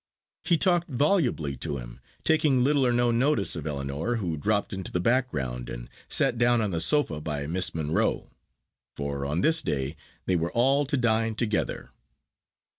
He talked volubly to him, taking little or no notice of Ellinor, who dropped into the background, and sat down on the sofa by Miss Monro; for on this day they were all to dine together.